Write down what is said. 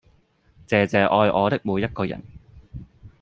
謝謝愛我的每一個人